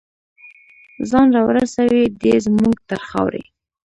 ځان راورسوي دی زمونږ تر خاورې